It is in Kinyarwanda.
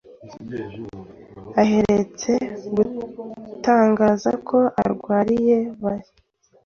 aherutse gutangaza ku abarwayi bashya